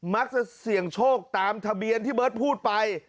มักจะเสี่ยงโชคตามทะเบียนที่เบิร์ตพูดไป